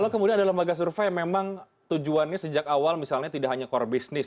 kalau kemudian ada lembaga survei yang memang tujuannya sejak awal misalnya tidak hanya core business